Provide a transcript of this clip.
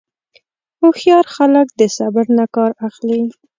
هوښیار خلک د صبر نه کار اخلي.